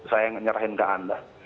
saya nyerahin ke anda